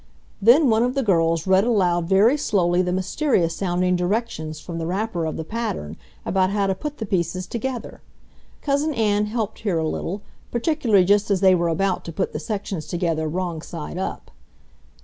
Then one of the girls read aloud very slowly the mysterious sounding directions from the wrapper of the pattern about how to put the pieces together, Cousin Ann helped here a little, particularly just as they were about to put the sections together wrong side up.